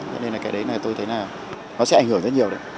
nên là cái đấy tôi thấy là nó sẽ ảnh hưởng rất nhiều đấy